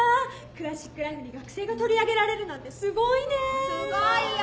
「クラシック・ライフ」に学生が取り上げられるなんてすごいね。